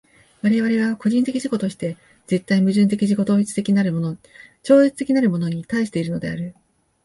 我々は個人的自己として絶対矛盾的自己同一的なるもの超越的なるものに対しているのである。